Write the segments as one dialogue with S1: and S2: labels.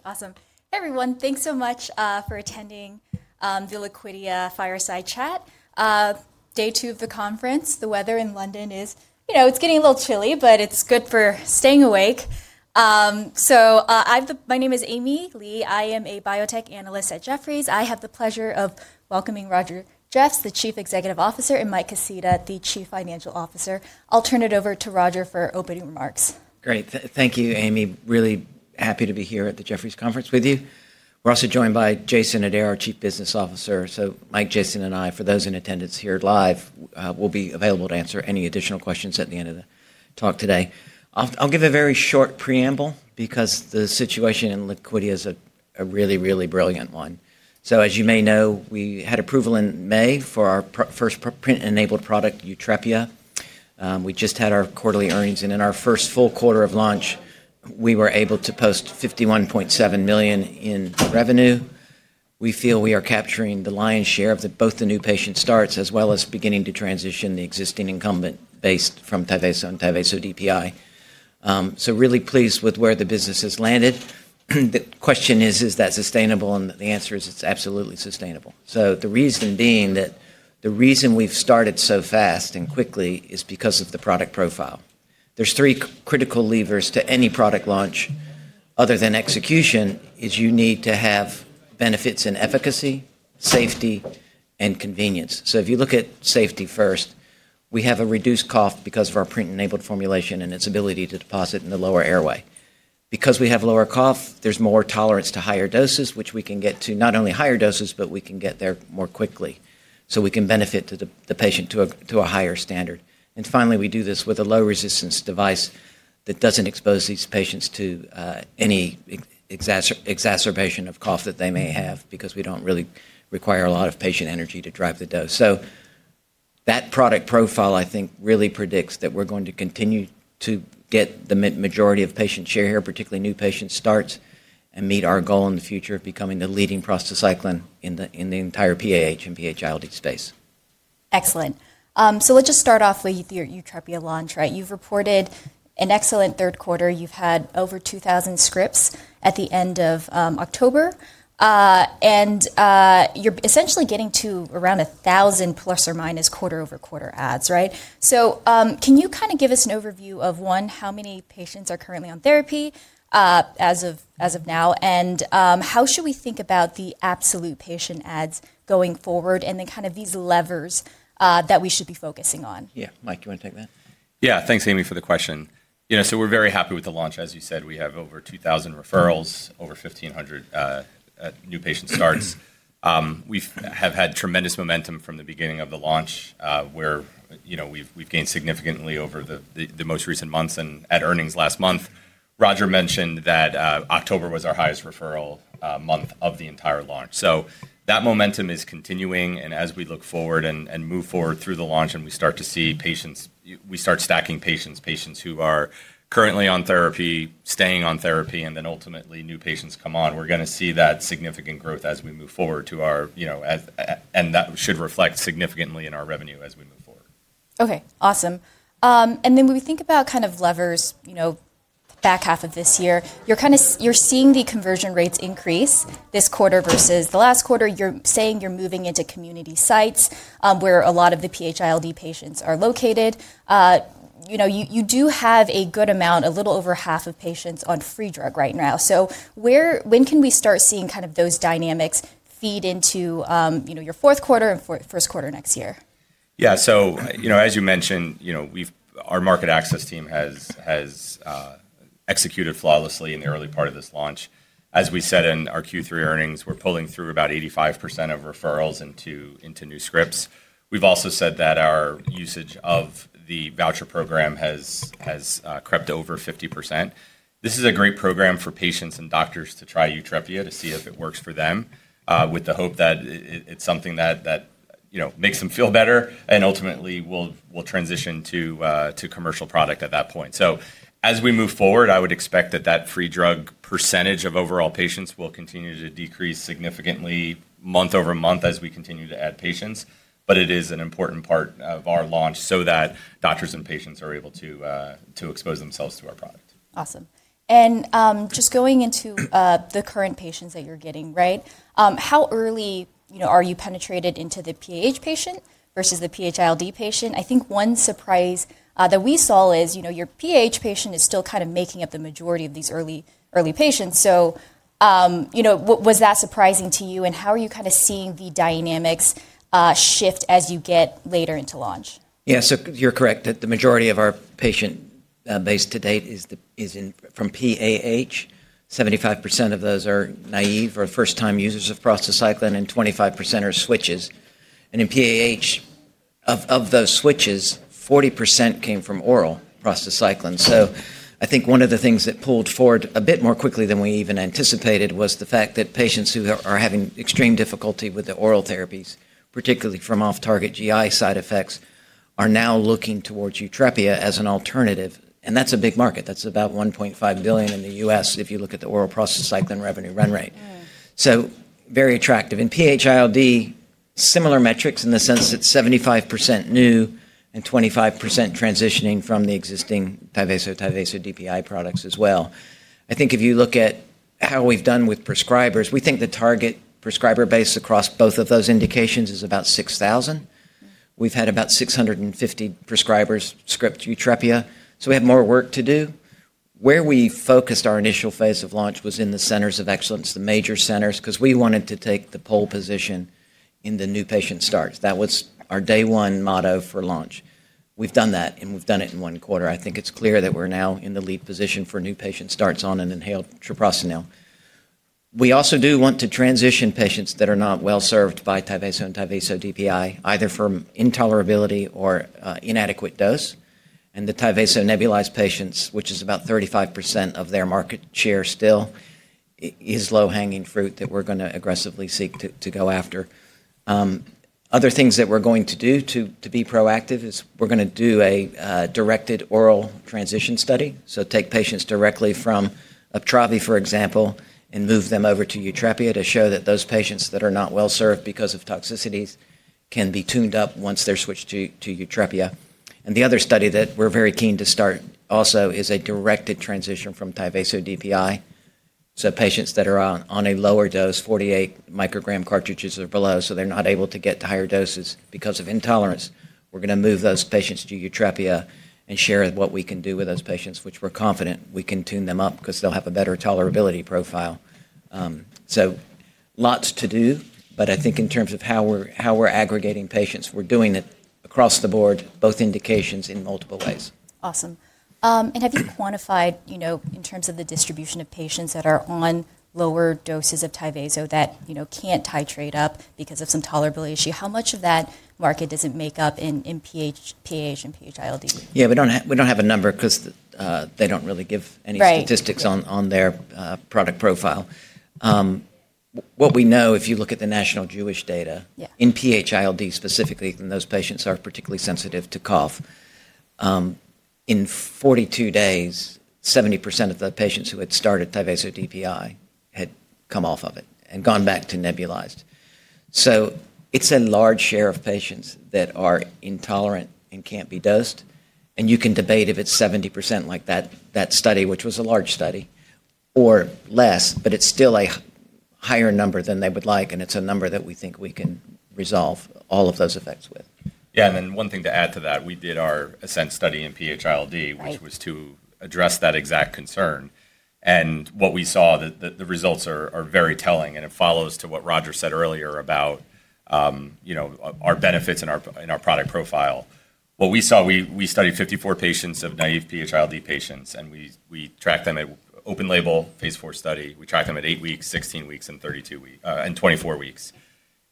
S1: Okay, awesome. Hey, everyone, thanks so much for attending the Liquidia Fireside Chat. Day two of the conference. The weather in London is, you know, it's getting a little chilly, but it's good for staying awake. So my name is Amy Lee. I am a biotech analyst at Jefferies. I have the pleasure of welcoming Roger Jeffs, the Chief Executive Officer, and Mike Kaseta, the Chief Financial Officer. I'll turn it over to Roger for opening remarks.
S2: Great. Thank you, Amy. Really happy to be here at the Jefferies Conference with you. We're also joined by Jason Adair, our Chief Business Officer. So Mike, Jason, and I, for those in attendance here live, will be available to answer any additional questions at the end of the talk today. I'll give a very short preamble because the situation in Liquidia is a really, really brilliant one. As you may know, we had approval in May for our first PRINT-enabled product, YUTREPIA. We just had our quarterly earnings, and in our first full quarter of launch, we were able to post $51.7 million in revenue. We feel we are capturing the lion's share of both the new patient starts as well as beginning to transition the existing incumbent base from Tyvaso and Tyvaso DPI. Really pleased with where the business has landed. The question is, is that sustainable? The answer is, it's absolutely sustainable. The reason being that the reason we've started so fast and quickly is because of the product profile. There are three critical levers to any product launch other than execution: you need to have benefits in efficacy, safety, and convenience. If you look at safety first, we have a reduced cough because of our PRINT-enabled formulation and its ability to deposit in the lower airway. Because we have lower cough, there's more tolerance to higher doses, which we can get to not only higher doses, but we can get there more quickly so we can benefit the patient to a higher standard. Finally, we do this with a low-resistance device that does not expose these patients to any exacerbation of cough that they may have because we do not really require a lot of patient energy to drive the dose. That product profile, I think, really predicts that we are going to continue to get the majority of patient share here, particularly new patient starts, and meet our goal in the future of becoming the leading prostacyclin in the entire PAH and PAH ILD space.
S1: Excellent. Let's just start off with your YUTREPIA launch, right? You've reported an excellent third quarter. You've had over 2,000 scripts at the end of October. You're essentially getting to around 1,000 + or - quarter-over-quarter ads, right? Can you kind of give us an overview of, one, how many patients are currently on therapy as of now, how should we think about the absolute patient ads going forward, and then kind of these levers that we should be focusing on?
S2: Yeah, Mike, do you want to take that?
S3: Yeah, thanks, Amy, for the question. You know, so we're very happy with the launch. As you said, we have over 2,000 referrals, over 1,500 new patient starts. We have had tremendous momentum from the beginning of the launch where we've gained significantly over the most recent months and at earnings last month. Roger mentioned that October was our highest referral month of the entire launch. That momentum is continuing. As we look forward and move forward through the launch and we start to see patients, we start stacking patients, patients who are currently on therapy, staying on therapy, and then ultimately new patients come on, we're going to see that significant growth as we move forward to our, you know, and that should reflect significantly in our revenue as we move forward.
S1: Okay, awesome. When we think about kind of levers back half of this year, you're kind of, you're seeing the conversion rates increase this quarter versus the last quarter. You're saying you're moving into community sites where a lot of the PH-ILD patients are located. You do have a good amount, a little over half of patients on free drug right now. When can we start seeing kind of those dynamics feed into your fourth quarter and first quarter next year?
S3: Yeah, so, you know, as you mentioned, you know, our market access team has executed flawlessly in the early part of this launch. As we said in our Q3 earnings, we're pulling through about 85% of referrals into new scripts. We've also said that our usage of the voucher program has crept over 50%. This is a great program for patients and doctors to try YUTREPIA to see if it works for them with the hope that it's something that makes them feel better and ultimately will transition to commercial product at that point. As we move forward, I would expect that that free drug percentage of overall patients will continue to decrease significantly month over month as we continue to add patients. It is an important part of our launch so that doctors and patients are able to expose themselves to our product.
S1: Awesome. Just going into the current patients that you're getting, right, how early are you penetrated into the PAH patient versus the PH-ILD patient? I think one surprise that we saw is, you know, your PAH patient is still kind of making up the majority of these early patients. You know, was that surprising to you? How are you kind of seeing the dynamics shift as you get later into launch?
S2: Yeah, so you're correct that the majority of our patient base to date is from PAH. 75% of those are naive or first-time users of prostacyclin, and 25% are switches. In PAH, of those switches, 40% came from oral prostacyclin. I think one of the things that pulled forward a bit more quickly than we even anticipated was the fact that patients who are having extreme difficulty with the oral therapies, particularly from off-target GI side effects, are now looking towards YUTREPIA as an alternative. That's a big market. That's about $1.5 billion in the U.S. V if you look at the oral prostacyclin revenue run rate. Very attractive. In PH-ILD, similar metrics in the sense that 75% new and 25% transitioning from the existing Tyvaso-Tyvaso DPI products as well. I think if you look at how we've done with prescribers, we think the target prescriber base across both of those indications is about 6,000. We've had about 650 prescribers script YUTREPIA. So we have more work to do. Where we focused our initial phase of launch was in the centers of excellence, the major centers, because we wanted to take the pole position in the new patient starts. That was our day-one motto for launch. We've done that, and we've done it in one quarter. I think it's clear that we're now in the lead position for new patient starts on an inhaled treprostinil. We also do want to transition patients that are not well served by Tyvaso-Tyvaso DPI, either from intolerability or inadequate dose. The Tyvaso nebulized patients, which is about 35% of their market share still, is low-hanging fruit that we are going to aggressively seek to go after. Other things that we are going to do to be proactive is we are going to do a directed oral transition study. Take patients directly from Uptravi, for example, and move them over to YUTREPIA to show that those patients that are not well served because of toxicities can be tuned up once they are switched to YUTREPIA. The other study that we are very keen to start also is a directed transition from Tyvaso DPI. Patients that are on a lower dose, 48-microgram cartridges or below, so they're not able to get to higher doses because of intolerance, we're going to move those patients to YUTREPIA and share what we can do with those patients, which we're confident we can tune them up because they'll have a better tolerability profile. Lots to do, but I think in terms of how we're aggregating patients, we're doing it across the board, both indications in multiple ways.
S1: Awesome. Have you quantified, you know, in terms of the distribution of patients that are on lower doses of Tyvaso that, you know, can't titrate up because of some tolerability issue? How much of that market does it make up in PAH and PH-ILD?
S2: Yeah, we don't have a number because they don't really give any statistics on their product profile. What we know, if you look at the National Jewish data in PH-ILD specifically, and those patients are particularly sensitive to cough, in 42 days, 70% of the patients who had started Tyvaso DPI had come off of it and gone back to nebulized. It's a large share of patients that are intolerant and can't be dosed. You can debate if it's 70% like that study, which was a large study, or less, but it's still a higher number than they would like. It's a number that we think we can resolve all of those effects with.
S3: Yeah, and then one thing to add to that, we did our ASCEND study in PH-ILD, which was to address that exact concern. What we saw, the results are very telling. It follows to what Roger said earlier about our benefits and our product profile. What we saw, we studied 54 patients of naive PH-ILD patients, and we tracked them at open-label phase four study. We tracked them at eight weeks, 16 weeks, and 24 weeks.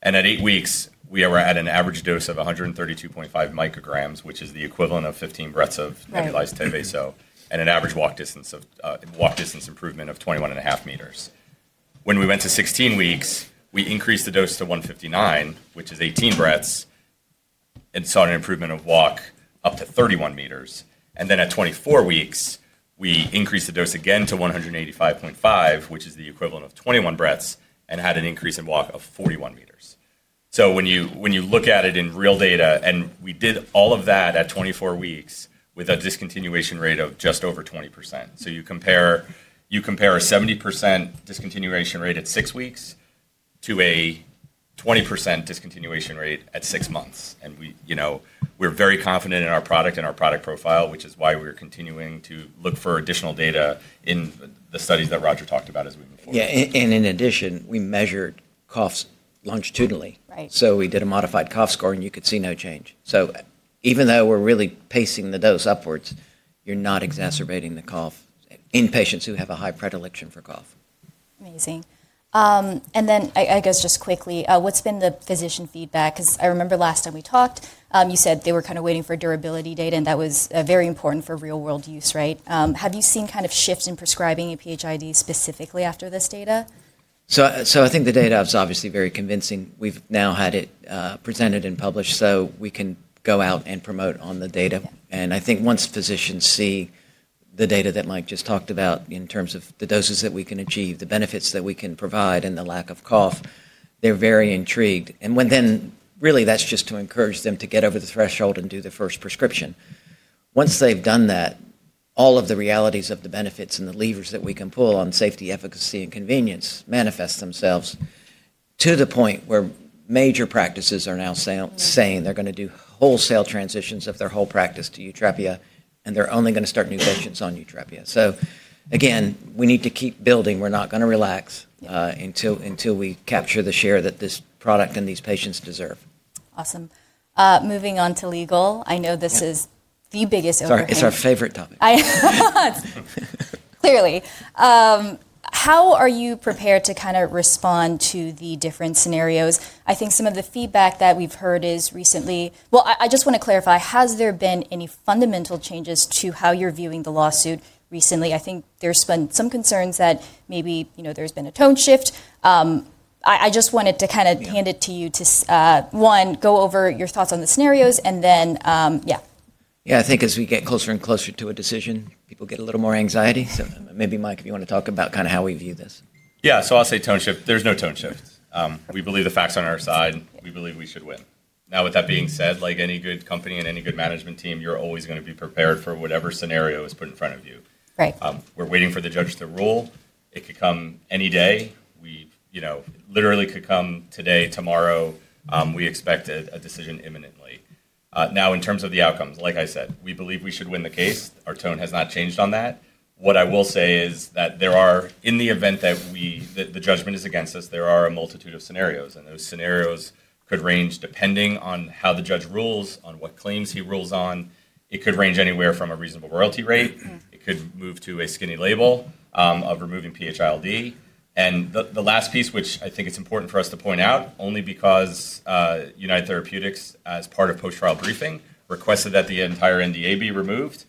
S3: At eight weeks, we were at an average dose of 132.5 micrograms, which is the equivalent of 15 breaths of nebulized Tyvaso and an average walk distance improvement of 21.5 meters. When we went to 16 weeks, we increased the dose to 159, which is 18 breaths, and saw an improvement of walk up to 31 meters. At 24 weeks, we increased the dose again to 185.5, which is the equivalent of 21 breaths, and had an increase in walk of 41 meters. When you look at it in real data, we did all of that at 24 weeks with a discontinuation rate of just over 20%. You compare a 70% discontinuation rate at six weeks to a 20% discontinuation rate at six months. We are very confident in our product and our product profile, which is why we are continuing to look for additional data in the studies that Roger talked about as we move forward.
S2: Yeah, and in addition, we measured coughs longitudinally. So we did a modified cough score, and you could see no change. So even though we're really pacing the dose upwards, you're not exacerbating the cough in patients who have a high predilection for cough.
S1: Amazing. I guess just quickly, what's been the physician feedback? Because I remember last time we talked, you said they were kind of waiting for durability data, and that was very important for real-world use, right? Have you seen kind of shifts in prescribing a PH-ILD specifically after this data?
S2: I think the data is obviously very convincing. We've now had it presented and published, so we can go out and promote on the data. I think once physicians see the data that Mike just talked about in terms of the doses that we can achieve, the benefits that we can provide, and the lack of cough, they're very intrigued. Really, that's just to encourage them to get over the threshold and do the first prescription. Once they've done that, all of the realities of the benefits and the levers that we can pull on safety, efficacy, and convenience manifest themselves to the point where major practices are now saying they're going to do wholesale transitions of their whole practice to YUTREPIA, and they're only going to start new patients on YUTREPIA. Again, we need to keep building. We're not going to relax until we capture the share that this product and these patients deserve.
S1: Awesome. Moving on to legal. I know this is the biggest overhead.
S2: It's our favorite topic.
S1: Clearly. How are you prepared to kind of respond to the different scenarios? I think some of the feedback that we've heard is recently. I just want to clarify, has there been any fundamental changes to how you're viewing the lawsuit recently? I think there's been some concerns that maybe, you know, there's been a tone shift. I just wanted to kind of hand it to you to, one, go over your thoughts on the scenarios, and then, yeah.
S2: Yeah, I think as we get closer and closer to a decision, people get a little more anxiety. So maybe, Mike, if you want to talk about kind of how we view this.
S3: Yeah, so I'll say tone shift. There's no tone shift. We believe the facts are on our side. We believe we should win. Now, with that being said, like any good company and any good management team, you're always going to be prepared for whatever scenario is put in front of you. We're waiting for the judge to rule. It could come any day. It literally could come today, tomorrow. We expect a decision imminently. Now, in terms of the outcomes, like I said, we believe we should win the case. Our tone has not changed on that. What I will say is that there are, in the event that the judgment is against us, there are a multitude of scenarios. And those scenarios could range depending on how the judge rules, on what claims he rules on. It could range anywhere from a reasonable royalty rate. It could move to a skinny label of removing PH-ILD. The last piece, which I think is important for us to point out, only because United Therapeutics, as part of post-trial briefing, requested that the entire NDA be removed,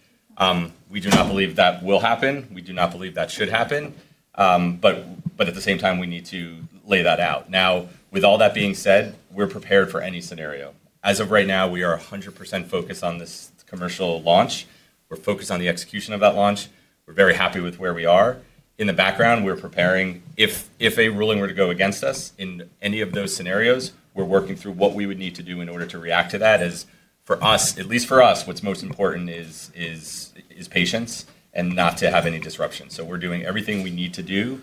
S3: we do not believe that will happen. We do not believe that should happen. At the same time, we need to lay that out. Now, with all that being said, we're prepared for any scenario. As of right now, we are 100% focused on this commercial launch. We're focused on the execution of that launch. We're very happy with where we are. In the background, we're preparing. If a ruling were to go against us in any of those scenarios, we're working through what we would need to do in order to react to that. For us, at least for us, what's most important is patience and not to have any disruption. We are doing everything we need to do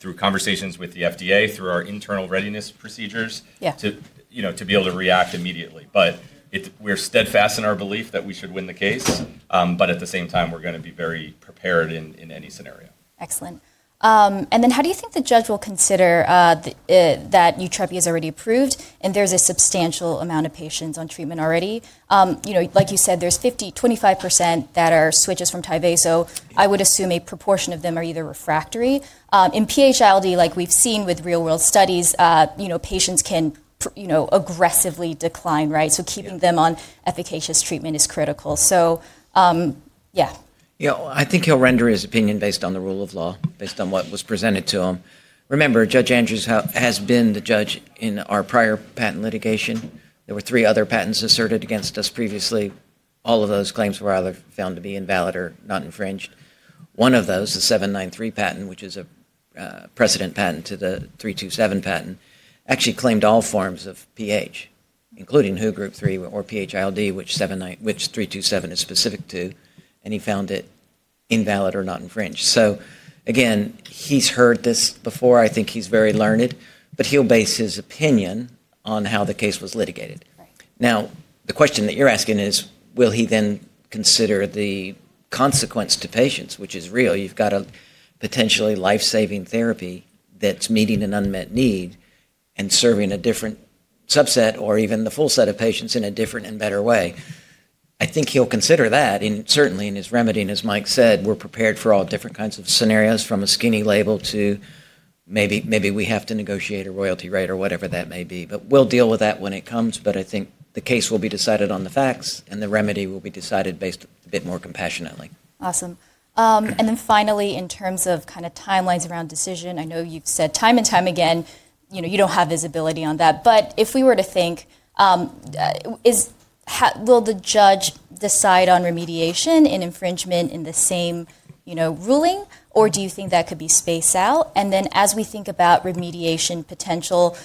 S3: through conversations with the FDA, through our internal readiness procedures to be able to react immediately. We are steadfast in our belief that we should win the case. At the same time, we are going to be very prepared in any scenario.
S1: Excellent. How do you think the judge will consider that YUTREPIA is already approved and there's a substantial amount of patients on treatment already? You know, like you said, there's 25% that are switches from Tyvaso. I would assume a proportion of them are either refractory. In PH-ILD, like we've seen with real-world studies, you know, patients can aggressively decline, right? Keeping them on efficacious treatment is critical. Yeah.
S2: Yeah, I think he'll render his opinion based on the rule of law, based on what was presented to him. Remember, Judge Andrews has been the judge in our prior patent litigation. There were three other patents asserted against us previously. All of those claims were either found to be invalid or not infringed. One of those, the 793 patent, which is a precedent patent to the 327 patent, actually claimed all forms of PH, including Group 3 or PH-ILD, which 327 is specific to. He found it invalid or not infringed. I think he's very learned. He'll base his opinion on how the case was litigated. Now, the question that you're asking is, will he then consider the consequence to patients, which is real? You've got a potentially life-saving therapy that's meeting an unmet need and serving a different subset or even the full set of patients in a different and better way. I think he'll consider that. Certainly, in his remedy, as Mike said, we're prepared for all different kinds of scenarios from a skinny label to maybe we have to negotiate a royalty rate or whatever that may be. We'll deal with that when it comes. I think the case will be decided on the facts, and the remedy will be decided based a bit more compassionately.
S1: Awesome. Finally, in terms of kind of timelines around decision, I know you've said time and time again, you know, you don't have visibility on that. If we were to think, will the judge decide on remediation and infringement in the same ruling, or do you think that could be spaced out? As we think about remediation potential,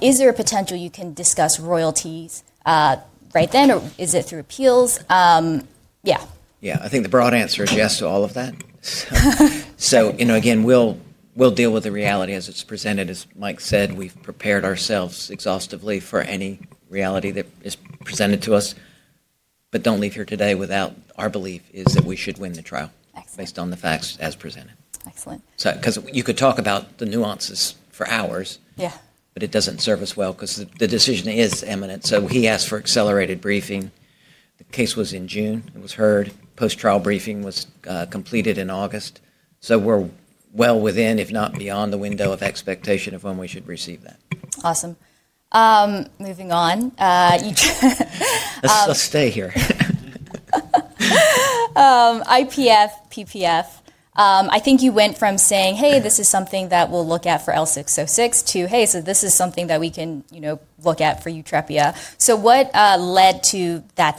S1: is there a potential you can discuss royalties right then, or is it through appeals? Yeah.
S2: Yeah, I think the broad answer is yes to all of that. You know, again, we'll deal with the reality as it's presented. As Mike said, we've prepared ourselves exhaustively for any reality that is presented to us. Do not leave here today without our belief is that we should win the trial based on the facts as presented.
S1: Excellent.
S2: Because you could talk about the nuances for hours, but it doesn't serve us well because the decision is imminent. He asked for accelerated briefing. The case was in June. It was heard. Post-trial briefing was completed in August. We are well within, if not beyond, the window of expectation of when we should receive that.
S1: Awesome. Moving on.
S2: Let's stay here.
S1: IPF, PPF. I think you went from saying, hey, this is something that we'll look at for L606 to, hey, this is something that we can look at for YUTREPIA. What led to that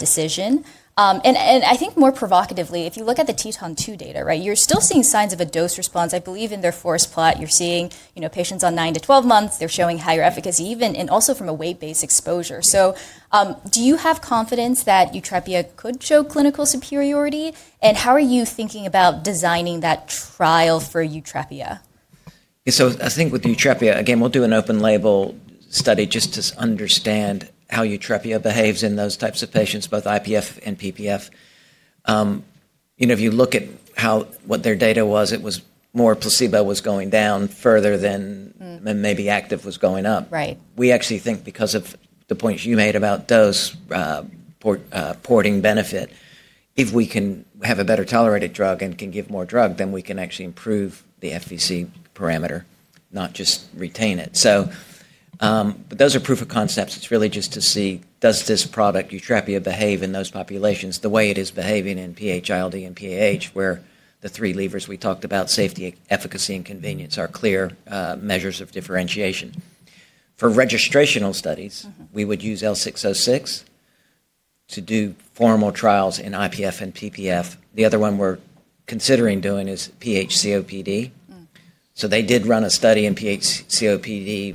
S1: decision? I think more provocatively, if you look at the TETON 2 data, right, you're still seeing signs of a dose response. I believe in their forest plot, you're seeing patients on 9-12 months. They're showing higher efficacy, even and also from a weight-based exposure. Do you have confidence that YUTREPIA could show clinical superiority? How are you thinking about designing that trial for YUTREPIA?
S2: I think with YUTREPIA, again, we'll do an open-label study just to understand how YUTREPIA behaves in those types of patients, both IPF and PPF. You know, if you look at what their data was, it was more placebo was going down further than maybe active was going up. We actually think because of the point you made about dose porting benefit, if we can have a better tolerated drug and can give more drug, then we can actually improve the FVC parameter, not just retain it. Those are proof of concepts. It is really just to see, does this product, YUTREPIA, behave in those populations the way it is behaving in PH-ILD and PAH, where the three levers we talked about, safety, efficacy, and convenience, are clear measures of differentiation. For registrational studies, we would use L606 to do formal trials in IPF and PPF. The other one we're considering doing is PHCOPD. They did run a study in PHCOPD,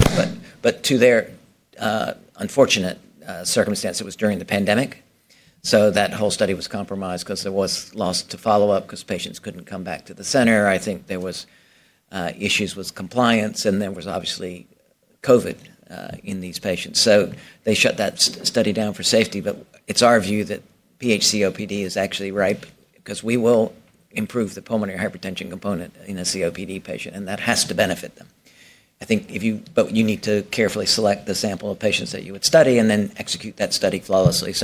S2: but to their unfortunate circumstance, it was during the pandemic. That whole study was compromised because there was loss to follow-up because patients couldn't come back to the center. I think there were issues with compliance, and there was obviously COVID in these patients. They shut that study down for safety. It's our view that PHCOPD is actually ripe because we will improve the pulmonary hypertension component in a COPD patient, and that has to benefit them. I think you need to carefully select the sample of patients that you would study and then execute that study flawlessly.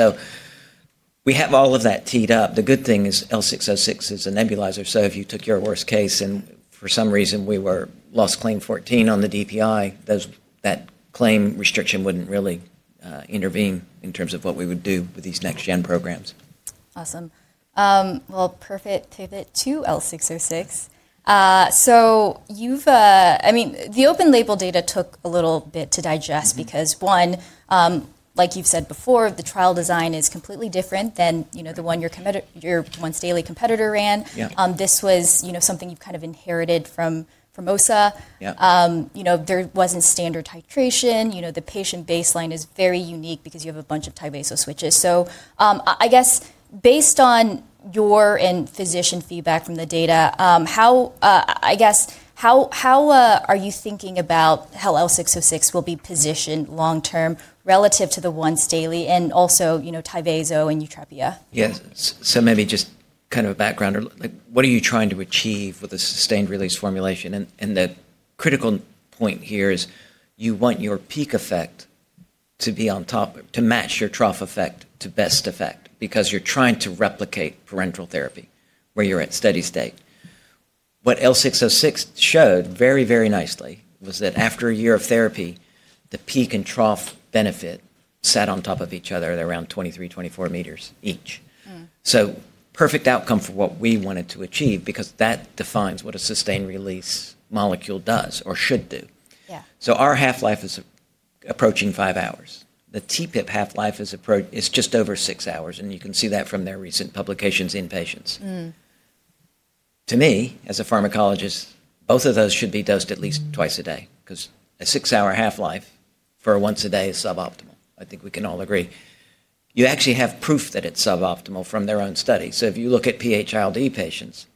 S2: We have all of that teed up. The good thing is L606 is a nebulizer. If you took your worst case and for some reason we lost claim 14 on the DPI, that claim restriction would not really intervene in terms of what we would do with these next-gen programs.
S1: Awesome. Perfect. Pivot to L606. I mean, the open-label data took a little bit to digest because, one, like you've said before, the trial design is completely different than the one your daily competitor ran. This was something you've kind of inherited from Formosa. There wasn't standard titration. The patient baseline is very unique because you have a bunch of Tyvaso switches. I guess based on your and physician feedback from the data, how are you thinking about how L606 will be positioned long-term relative to the once daily and also Tyvaso and YUTREPIA?
S2: Yeah. Maybe just kind of a background. What are you trying to achieve with a sustained-release formulation? The critical point here is you want your peak effect to be on top, to match your trough effect to best effect because you're trying to replicate parenteral therapy where you're at steady state. What L606 showed very, very nicely was that after a year of therapy, the peak and trough benefit sat on top of each other at around 23, 24 meters each. Perfect outcome for what we wanted to achieve because that defines what a sustained-release molecule does or should do. Our half-life is approaching five hours. The TPIP half-life is just over six hours. You can see that from their recent publications in patients. To me, as a pharmacologist, both of those should be dosed at least twice a day because a six-hour half-life for a once-a-day is suboptimal. I think we can all agree. You actually have proof that it's suboptimal from their own study. If you look at PH-ILD patients,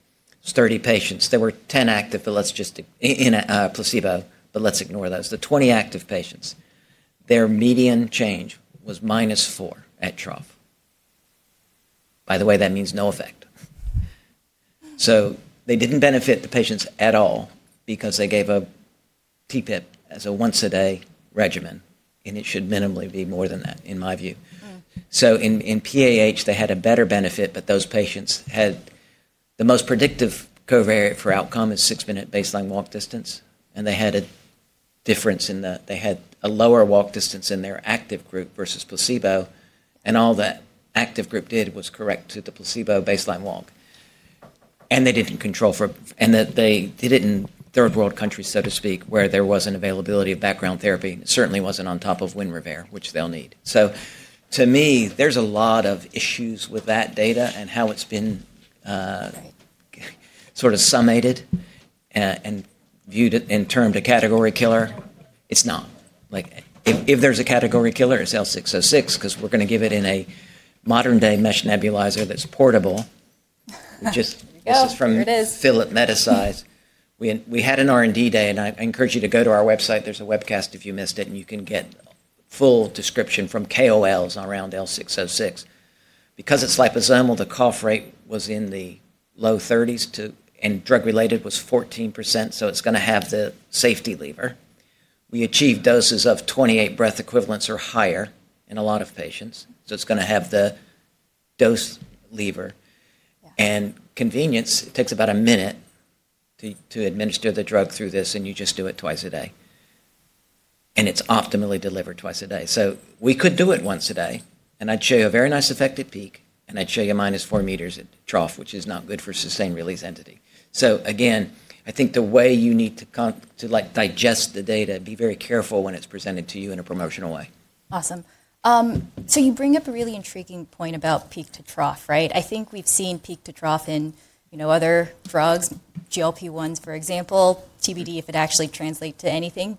S2: 30 patients, there were 10 active, but let's just, in placebo, but let's ignore those. The 20 active patients, their median change was minus 4 at trough. By the way, that means no effect. They didn't benefit the patients at all because they gave a TPIP as a once-a-day regimen, and it should minimally be more than that, in my view. In PAH, they had a better benefit, but those patients had the most predictive covariate for outcome is six-minute baseline walk distance. They had a difference in that they had a lower walk distance in their active group versus placebo. All that active group did was correct to the placebo baseline walk. They did not control for, and they did it in third-world countries, so to speak, where there was an availability of background therapy. It certainly was not on top of Wynrivare, which they will need. To me, there are a lot of issues with that data and how it has been sort of summated and viewed in terms of category killer. It is not. If there is a category killer, it is L606 because we are going to give it in a modern-day mesh nebulizer that is portable. This is from Philip Metasize. We had an R&D day, and I encourage you to go to our website. There is a webcast if you missed it, and you can get full description from KOLs around L606. Because it's liposomal, the cough rate was in the low 30s and drug-related was 14%. It's going to have the safety lever. We achieved doses of 28 breath equivalents or higher in a lot of patients. It's going to have the dose lever. Convenience, it takes about a minute to administer the drug through this, and you just do it twice a day. It's optimally delivered twice a day. We could do it once a day. I'd show you a very nice effective peak, and I'd show you minus 4 meters at trough, which is not good for sustained-release entity. I think the way you need to digest the data, be very careful when it's presented to you in a promotional way.
S1: Awesome. You bring up a really intriguing point about peak to trough, right? I think we've seen peak to trough in other drugs, GLP-1s, for example, TBD if it actually translates to anything.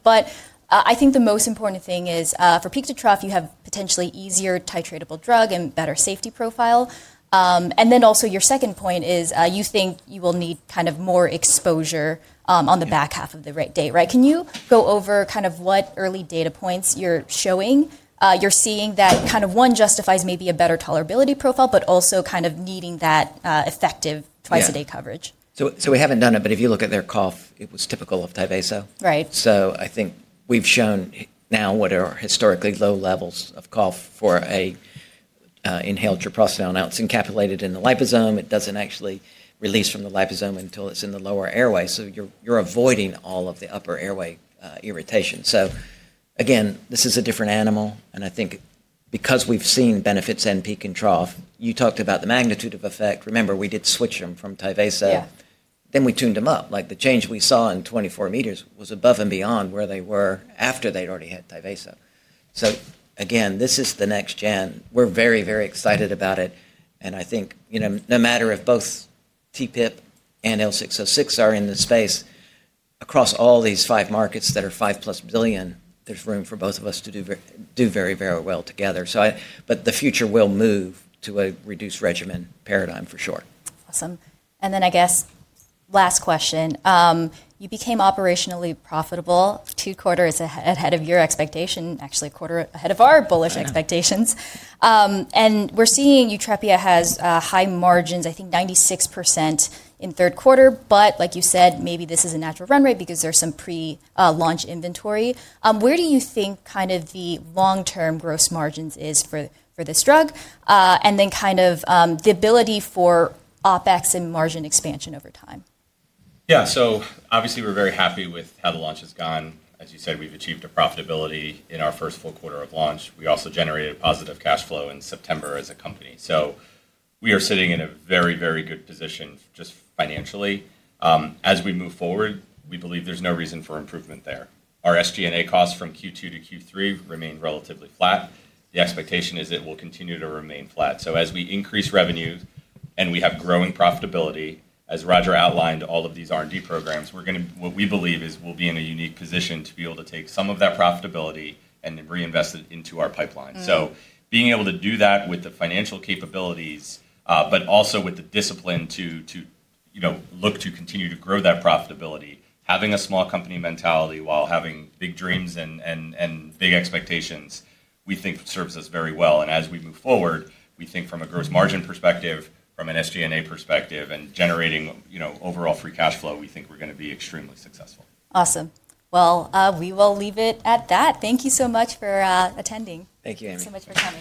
S1: I think the most important thing is for peak to trough, you have potentially easier titratable drug and better safety profile. Also, your second point is you think you will need kind of more exposure on the back half of the day. Can you go over kind of what early data points you're showing? You're seeing that kind of one justifies maybe a better tolerability profile, but also kind of needing that effective twice-a-day coverage.
S2: We haven't done it, but if you look at their cough, it was typical of Tyvaso. I think we've shown now what are historically low levels of cough for an inhaled treprostinil that's encapsulated in the liposome. It doesn't actually release from the liposome until it's in the lower airway. You're avoiding all of the upper airway irritation. Again, this is a different animal. I think because we've seen benefits in peak and trough, you talked about the magnitude of effect. Remember, we did switch them from Tyvaso. Then we tuned them up. The change we saw in 24 meters was above and beyond where they were after they'd already had Tyvaso. This is the next gen. We're very, very excited about it. I think no matter if both TPIP and L606 are in the space, across all these five markets that are $5 billion-plus, there's room for both of us to do very well together. The future will move to a reduced regimen paradigm for sure.
S1: Awesome. I guess last question. You became operationally profitable two quarters ahead of your expectation, actually a quarter ahead of our bullish expectations. We're seeing YUTREPIA has high margins, I think 96% in third quarter. Like you said, maybe this is a natural run rate because there's some pre-launch inventory. Where do you think kind of the long-term gross margins is for this drug? The ability for opEx and margin expansion over time.
S3: Yeah. So obviously, we're very happy with how the launch has gone. As you said, we've achieved a profitability in our first full quarter of launch. We also generated positive cash flow in September as a company. So we are sitting in a very, very good position just financially. As we move forward, we believe there's no reason for improvement there. Our SG&A costs from Q2 to Q3 remain relatively flat. The expectation is it will continue to remain flat. So as we increase revenue and we have growing profitability, as Roger outlined all of these R&D programs, what we believe is we'll be in a unique position to be able to take some of that profitability and reinvest it into our pipeline. Being able to do that with the financial capabilities, but also with the discipline to look to continue to grow that profitability, having a small company mentality while having big dreams and big expectations, we think serves us very well. As we move forward, we think from a gross margin perspective, from an SG&A perspective, and generating overall free cash flow, we think we're going to be extremely successful.
S1: Awesome. We will leave it at that. Thank you so much for attending.
S2: Thank you, Amy.
S1: Thanks so much for coming.